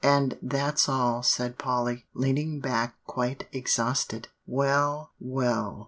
And that's all," said Polly, leaning back quite exhausted. "Well, well!"